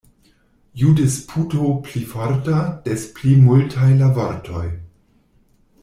Ju disputo pli forta, des pli multaj la vortoj.